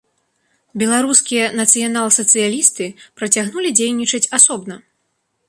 Беларускія нацыянал-сацыялісты працягнулі дзейнічаць асобна.